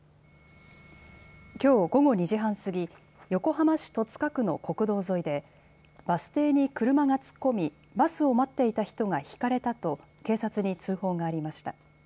きょう午後２時半過ぎ、横浜市戸塚区の国道沿いで、バス停に車が突っ込み、バスを待っていた人がひかれたと警察に通報がありました。